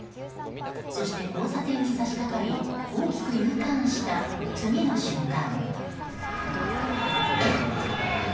そして、交差点に差し掛かり大きくＵターンした次の瞬間。